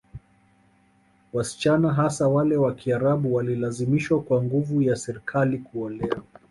Wasichana hasa wale wa Kiarabu walilazimishwa kwa nguvu ya Serikali kuolewa